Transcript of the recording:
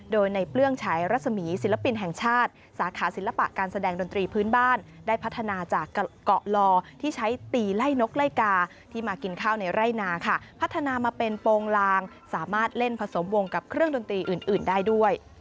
โดยในเปลื้องฉายรัศมีศิลปินแห่งชาติสาขาศิลปะการแสดงดนตรีพื้นบ้านได้พัฒนาจากเกาะลอที่ใช้ตีไล่นกไล่กาที่มากินข้าวในไร่นาค่ะพัฒนามาเป็นโปรงลางสามารถเล่นผสมวงกับเครื่องดนตรีอื่นได้ด้วย